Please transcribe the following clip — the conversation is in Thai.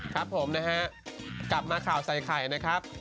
ครับผมนะฮะกลับมาข่าวใส่ไข่นะครับ